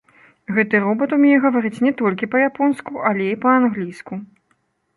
Гэты робат умее гаварыць не толькі па-японску, але і па-англійску.